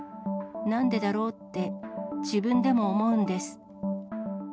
なんでだろうって、自分でも思うんです。